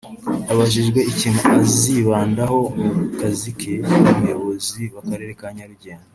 Abajijwe ikintu azibandaho mu kazi ke nk’umuyobozi w’Akarere ka Nyarugenge